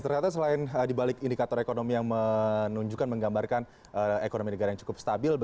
ternyata selain dibalik indikator ekonomi yang menunjukkan menggambarkan ekonomi negara yang cukup stabil